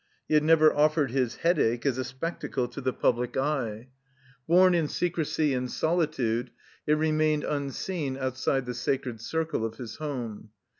He had never offered his Headache as a spectacle to the public eye. Bom in secrecy and solitude, it remained un seen outside the sacred circle of his home.